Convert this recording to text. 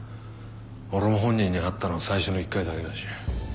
俺も本人に会ったのは最初の１回だけだし。